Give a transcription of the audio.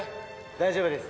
大丈夫です。